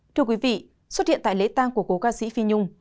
thưa quý vị xuất hiện tại lễ tang của cố ca sĩ phi nhung